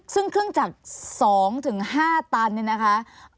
ซึ่งเครื่องจักร๒๕ตันค่ะ